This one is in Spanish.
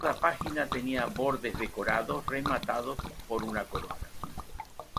Cada página tenía bordes decorados rematados por una corona.